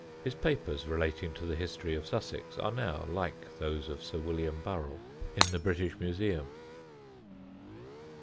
His papers relating to the history of Sussex, are now, like those of Sir William Burrell, in the British Museum.